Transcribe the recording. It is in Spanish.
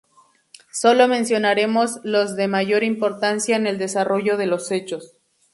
Solo mencionaremos los de mayor importancia en el desarrollo de los hechos.